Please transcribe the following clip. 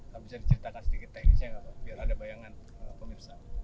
pak bisa diceritakan sedikit teknisnya nggak pak biar ada bayangan pemirsa